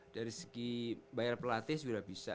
dari segi bayar pelatih sudah bisa